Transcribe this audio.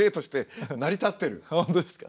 本当ですか？